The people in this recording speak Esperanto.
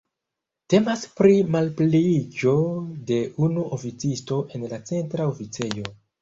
Temas pri malpliiĝo de unu oficisto en la Centra Oficejo.